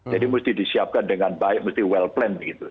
jadi mesti disiapkan dengan baik mesti well planned